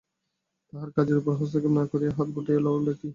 তাহার কাজের উপর হস্তক্ষেপ না করিয়া হাত গুটাইয়া লও দেখি।